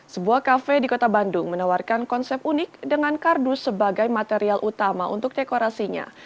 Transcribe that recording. sebuah kafe di kota bandung menawarkan konsep unik dengan kardus sebagai material utama untuk dekorasinya